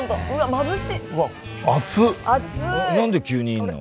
何で急にいんの？